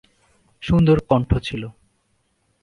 সুন্দর কন্ঠ ছিল।